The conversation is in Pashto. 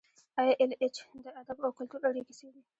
ای ایل ایچ د ادب او کلتور اړیکې څیړي.